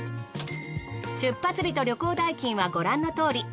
出発日と旅行代金はご覧のとおり。